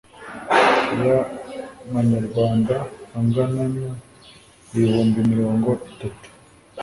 y amanyarwanda angana n ibihumbi mirongo itatu